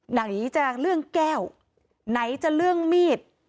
ไหนจะเรื่องแก้วไหนจะเรื่องมีด